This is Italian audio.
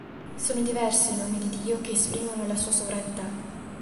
Sono diversi i nomi di Dio che esprimono la Sua sovranità.